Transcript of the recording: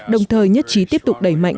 đồng thời nhất trí tiếp tục đẩy mạnh